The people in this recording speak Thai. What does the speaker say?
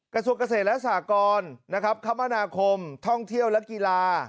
กระทรวงเกษตรและสากรนะครับคมนาคมท่องเที่ยวและกีฬา